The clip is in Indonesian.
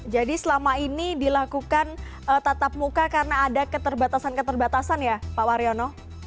jadi selama ini dilakukan tatap muka karena ada keterbatasan keterbatasan ya pak waryono